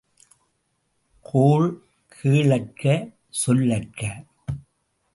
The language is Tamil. கோள் கேளற்க சொல்லற்க!